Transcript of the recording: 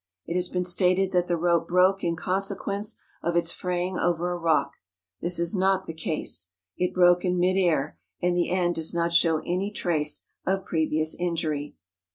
It has been stated that the rope broke in consequence of its fraying over a rock: this is not the case; it broke in mid air, and the end does not show any trace of previous injury.